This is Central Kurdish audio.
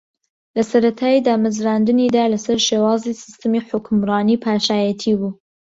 لە سەرەتای دامەزراندنییدا لەسەر شێوازی سیستمی حوکمڕانی پاشایەتی بوو